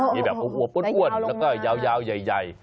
มีแบบอวบอ้วนแล้วก็ยาวใหญ่